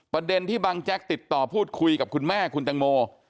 ประเด็นที่บางแจ๊กติดต่อพูดคุยกับคุณแม่คุณตังโม